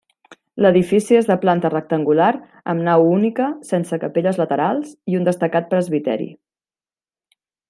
L'edifici és de planta rectangular, amb nau única, sense capelles laterals i un destacat presbiteri.